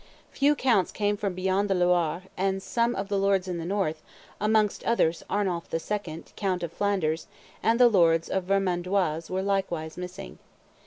Few counts came from beyond the Loire; and some of the lords in the North, amongst others Arnulf II., count of Flanders, and the lords of Vermandois were likewise missing.